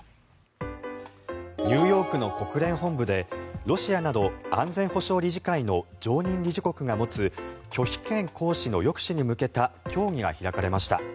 ニューヨークの国連本部でロシアなど安全保障理事会の常任理事国が持つ拒否権行使の抑止に向けた協議が開かれました。